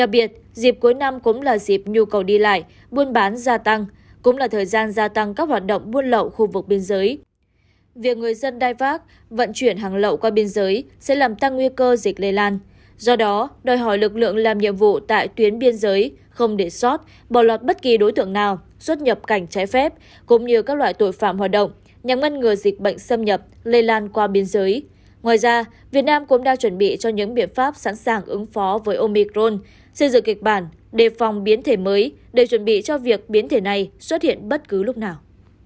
việt nam cũng đang chuẩn bị cho những biện pháp sẵn sàng ứng phó với omicron xây dựng kịch bản đề phòng biến thể mới để chuẩn bị cho việc biến thể này xuất hiện bất cứ lúc nào